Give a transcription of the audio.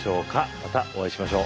またお会いしましょう。